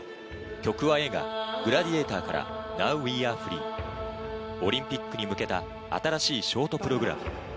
曲は映画『グラディエーター』から『Ｎｏｗｗｅａｒｅｆｒｅｅ』。オリンピックに向けた新しいショートプログラム。